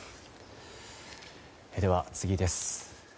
では、次です。